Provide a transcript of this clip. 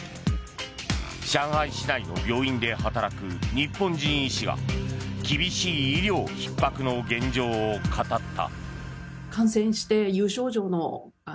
上海市内の病院で働く日本人医師が厳しい医療ひっ迫の現状を語った。